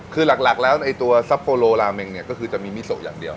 คือหลักแล้วในตัวซับโปโลลาเมงเนี่ยก็คือจะมีมิโซอย่างเดียว